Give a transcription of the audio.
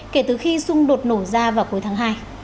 kể từ khi xung đột nổ ra vào cuối tháng hai